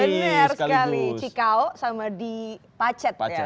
benar sekali cikau sama di pacet ya